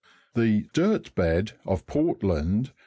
The dirt bed of Portland (fig.